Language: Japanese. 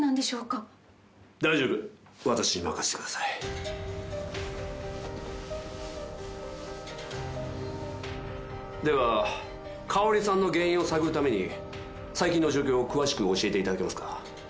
大丈夫私に任してくださいでは香織さんの原因を探るために最近の状況を詳しく教えていただけますか？